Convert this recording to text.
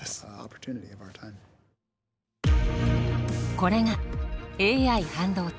これがＡＩ半導体。